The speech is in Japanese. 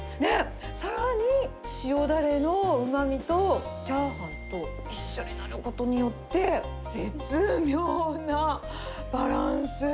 さらに、塩だれのうまみとチャーハンが一緒になることによって、絶妙なバランス。